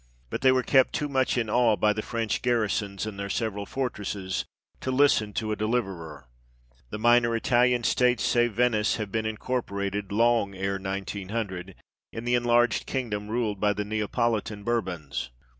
But they were kept too much in awe by the French garrisons in their several fortresses to listen to a deliverer." The minor Italian states, save Venice, have been incorporated, long ere 1900, in the enlarged kingdom ruled by the Neapolitan Bourbons.